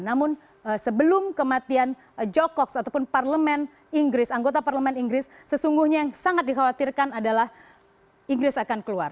namun sebelum kematian jokos ataupun parlemen inggris anggota parlemen inggris sesungguhnya yang sangat dikhawatirkan adalah inggris akan keluar